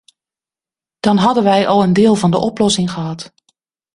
Dan hadden wij al een deel van de oplossing gehad.